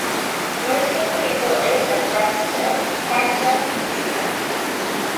Newspaper reporter Jack Baxter can turn invisible.